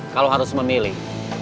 kalau harus memilih